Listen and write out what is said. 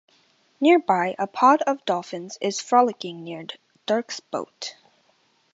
Nearby, a pod of dolphins is frolicking near Dirks boat.